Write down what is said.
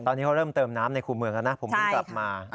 ตอนนี้เขาเริ่มเติมน้ำในคู่เมืองแล้วนะผมเพิ่งกลับมา